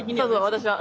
私は。